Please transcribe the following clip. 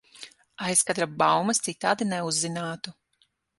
Aizkadra baumas citādi neuzzinātu.